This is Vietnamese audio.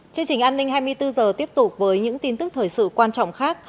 chương trình an ninh hai mươi bốn h tiếp tục với những tin tức thời sự quan trọng khác